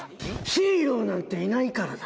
ヒーローなんていないからだ。